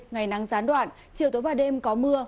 ngày nắng gián đoạn chiều tối và đêm có mưa